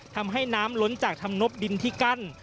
ทำให้น้ำล้นจากธรรมนบดินที่กั้น